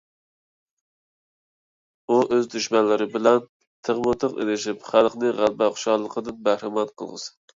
ئۇ ئۆز دۈشمەنلىرى بىلەن تىغمۇتىغ ئېلىشىپ، خەلقنى غەلىبە خۇشاللىقىدىن بەھرىمەن قىلغۇسى.